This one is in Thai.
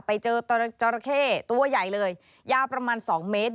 ไปเจอจราเข้ตัวใหญ่เลยยาวประมาณ๒เมตร